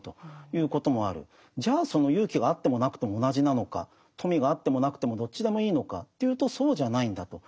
じゃあその勇気があってもなくても同じなのか富があってもなくてもどっちでもいいのかというとそうじゃないんだと。